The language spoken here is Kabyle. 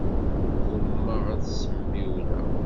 Ggumaɣ ad t-ssembiwleɣ.